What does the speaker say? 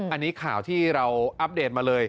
อันนี้ข่าวที่เราอัปเดตมาเลย